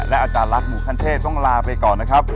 อาจารย์รัฐหมู่ขั้นเทพต้องลาไปก่อนนะครับ